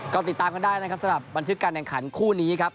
ก็ติดตามกันได้นะครับสำหรับบันทึกการแข่งขันคู่นี้ครับ